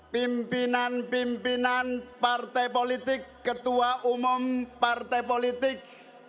pimpinan pimpinan partai politik ketua umum partai politik